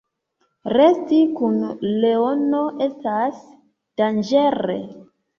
Resti kun leono estas danĝere.